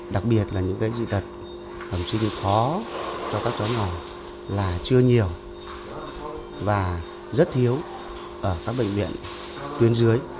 đặc biệt là những cái dị tật bẩm sinh khó cho các chó ngò là chưa nhiều và rất thiếu ở các bệnh viện